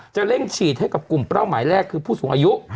เร่งฉีดให้กับกลุ่มเป้าหมายแรกคือผู้สูงอายุ